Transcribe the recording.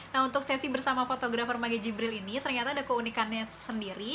nah untuk sesi bersama fotografer maggi jibril ini ternyata ada keunikannya sendiri